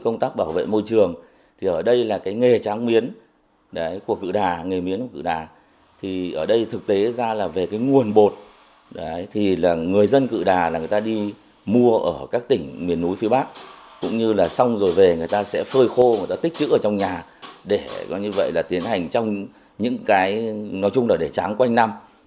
nói chung là xong rồi về người ta sẽ phơi khô người ta tích chữ ở trong nhà để tiến hành trong những cái nói chung là để tráng quanh năm